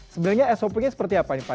sebenarnya sop nya seperti apa nih pak